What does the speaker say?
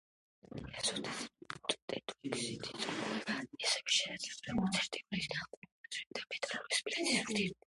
დიაზოტის ტეტროქსიდის წარმოება ასევე შესაძლებელია კონცენტრირებული აზოტმჟავისა და მეტალური სპილენძის ურთიერთქმედებით.